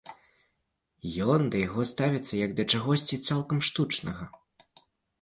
Ён да яго ставіцца як да чагосьці цалкам штучнага.